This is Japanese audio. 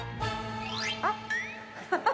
あっ。